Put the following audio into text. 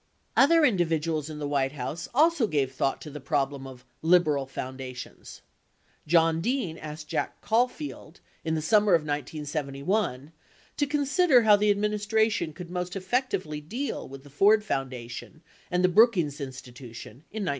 75 Other individuals in the White House also gave thought to the problem of "liberal" foundations. John Dean asked Jack Caulfield in the summer of 1971 to consider how the administration could most effectively deal with the Ford Foundation and the Brookings In stitution in 1972.